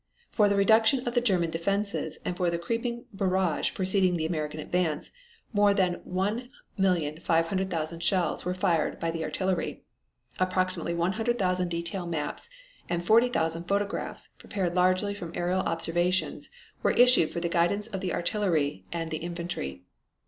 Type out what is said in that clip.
For the reduction of the German defenses and for the creeping barrage preceding the American advance, more than 1,500,000 shells were fired by the artillery. Approximately 100,000 detail maps and 40,000 photographs prepared largely from aerial observations, were issued for the guidance of the artillery and the infantry.